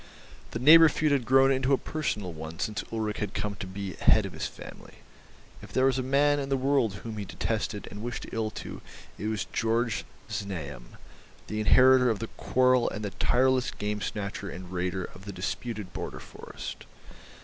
The neighbour feud had grown into a personal one since Ulrich had come to be head of his family; if there was a man in the world whom he detested and wished ill to it was Georg Znaeym, the inheritor of the quarrel and the tireless game snatcher and raider of the disputed border forest.